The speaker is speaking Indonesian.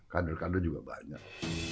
kader kader juga banyak